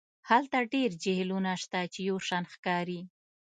هلته ډیر جهیلونه شته چې یو شان ښکاري